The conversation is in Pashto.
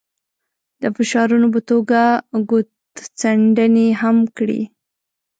د فشارونو په توګه ګوتڅنډنې هم کړي.